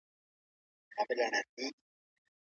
اصلاح به باور لوړ کړي.